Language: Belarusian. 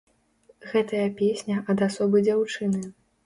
Гэтая песня ад асобы дзяўчыны.